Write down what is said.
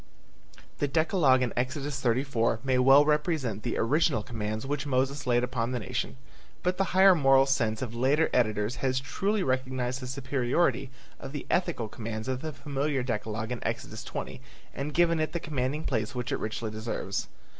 The decalogue in Exodus 34 may well represent the original commands which Moses laid upon the nation, but the higher moral sense of later editors has truly recognized the superiority of the ethical commands of the familiar decalogue in Exodus 20 and given it the commanding place which it richly deserves.